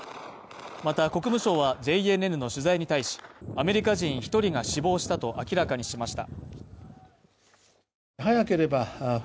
また国務省はＪＮＮの取材に対し、アメリカ人１人が死亡したと明らかにしました。